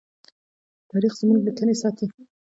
تاریخ زموږ لیکنې ساتي.